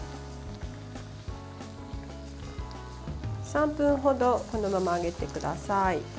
３分程、このまま揚げてください。